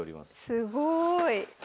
すごい。